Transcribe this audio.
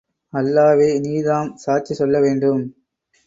அல்லாவே நீர்தாம் சாட்சி சொல்ல வேண்டும்.